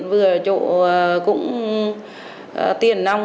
vừa chỗ cũng tiền nông